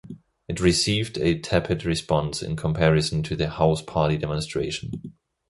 It received a tepid response in comparison to the "House Party" demonstration.